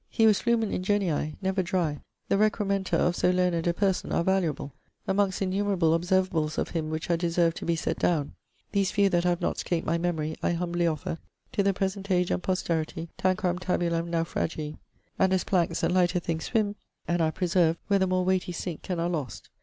He was 'flumen ingenii,' never dry. The recrementa of so learned a person are valueable[I.]. Amongst innumerable observables of him which had deserved to be sett downe, these few (that have not scap't my memory) I humbly offer to the present age and posterity, _tanquam tabulam naufragii_[II.], and as plankes and lighter things swimme, and are preserved, where the more weighty sinke and are lost.